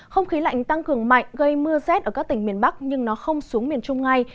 không khí lạnh tăng cường mạnh gây mưa rét ở các tỉnh miền bắc nhưng nó không xuống miền trung ngay